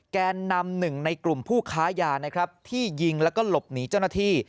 แกนนำหนึ่งในกลุ่มผู้ค้ายานะครับที่ยิงแล้วก็หลบหนีเจ้าหน้าที่